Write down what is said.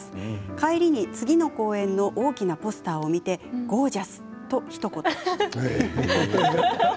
帰りに次の公演の大きなポスターを見てゴージャスと、ひと言。